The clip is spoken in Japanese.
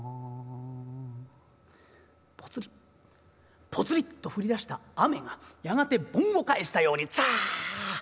ポツリポツリと降りだした雨がやがて盆を返したようにザッ。